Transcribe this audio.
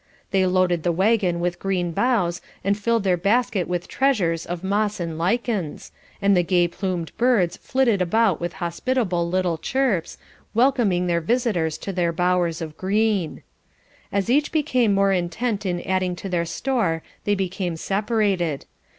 They loaded the waggon with green boughs and filled their basket with treasures of moss and lichens, and the gay plumed birds flitted about with hospitable little chirps, welcoming their visitors to their bowers of green. As each became more intent in adding to their store they became separated.